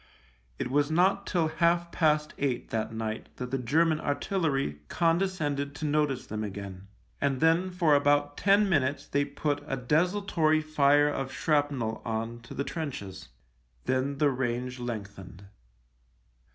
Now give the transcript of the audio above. It was not till half past eight that night that the German artillery condescended to notice them again, and then for about ten minutes they put a desultory fire of shrapnel on to the trenches. Then the range lengthened.